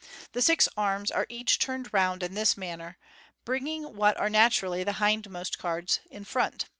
The six arms are each turned round in this manner, bringing what are naturally the hindmost cards in front.